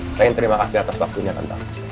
saya ingin terima kasih atas waktunya tante